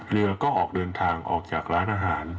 เรือก็ออกเดินทางออกจากร้านอาหาร